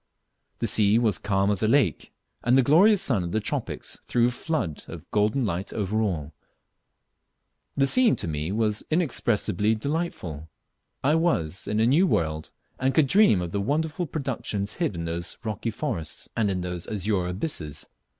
The sea was calm as a lake, and the glorious sun of the tropics threw a flood of golden light over all. The scene was to me inexpressibly delightful. I was in a new world, and could dream of the wonderful productions hid in those rocky forests, and in those azure abysses.